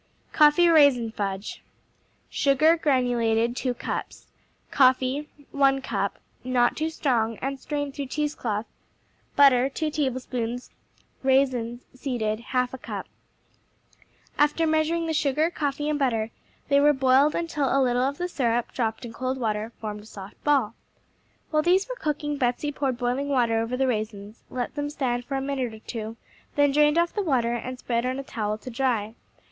Coffee Raisin Fudge Sugar (granulated), 2 cups Coffee, 1 cup (Not too strong, and strain through cheesecloth.) Butter, 2 tablespoons Raisins (seeded), 1/2 cup After measuring the sugar, coffee and butter, they were boiled until a little of the syrup, dropped in cold water, formed a soft ball. While these were cooking Betsey poured boiling water over the raisins, let them stand for a minute or two, then drained off the water and spread on a towel to dry.